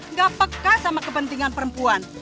nggak peka sama kepentingan perempuan